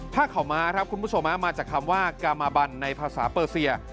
ผ้าขาวม้าครับคุณผู้ชมมาจากคำว่ากามาบันในภาษาเปอร์เซีย